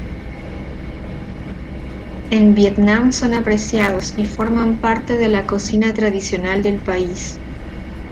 En Vietnam son apreciados y forman parte de la cocina tradicional del país.